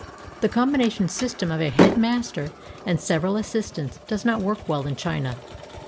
The combina tion system of a head master and several assistants does not work well in China.